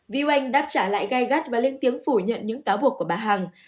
view anh đáp trả lại gai gắt và lên tiếng phủ nhận những cáo buộc của bà hằng